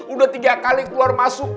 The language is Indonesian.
udah tiga kali keluar masuk